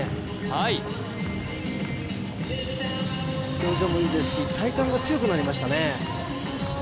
はい表情もいいですし体幹が強くなりましたね